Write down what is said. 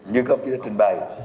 như công ty đã trình bày